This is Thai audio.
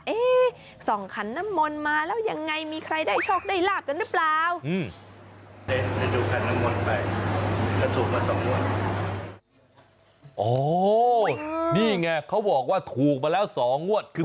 เห็นเลยแบบนี้มีโชคมีลาบแน่นอนเพราะออร่ามันออก